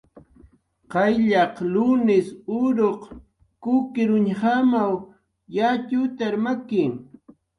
Qayllaq lunis uruq kukirñujamaw yatxutar maki